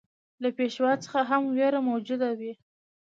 له پېشوا څخه هم وېره موجوده وه.